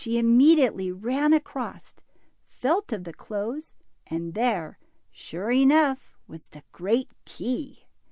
51 immediately ran across, felt of the clothes, and there, sure enough, was the great key